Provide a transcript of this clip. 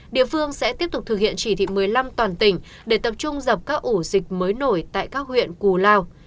địa phương sẽ tiếp tục thực hiện chỉ thị một mươi năm toàn tỉnh để tập trung dập các ổ dịch mới nổi tại các huyện cù lao